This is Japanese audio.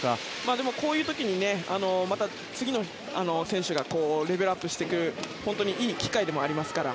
こういう時にまた次の選手がレベルアップしていくいい機会になりますから。